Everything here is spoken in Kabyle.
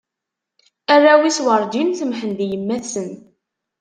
Arraw-is werǧin semmḥen di yemma-tsen.